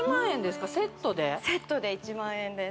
セットで１万円です